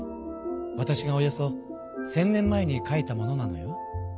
わたしがおよそ１，０００年前に書いたものなのよ。